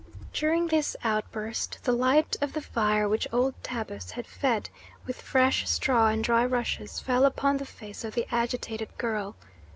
During this outburst the light of the fire, which old Tabus had fed with fresh straw and dry rushes, fell upon the face of the agitated girl.